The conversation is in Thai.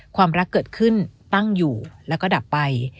ความรักเกิดขึ้นตั้งอยู่แล้วก็ดับไป